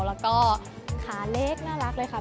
แล้วก็ขาเล็กน่ารักเลยค่ะ